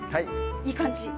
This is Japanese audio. いい感じ。